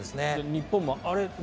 日本もあれ？